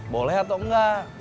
boleh atau enggak